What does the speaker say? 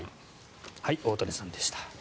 大谷さんでした。